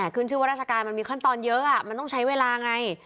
ขึ้นชื่อว่าราชการมันมีขั้นตอนเยอะมันต้องใช้เวลาไง